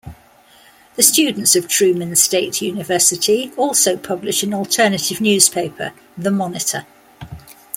The students of Truman State University also publish an alternative newspaper, "The Monitor".